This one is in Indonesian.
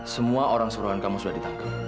semua orang suruhan kamu sudah ditangkap